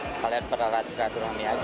sekalian peralatan serat turunan ini aja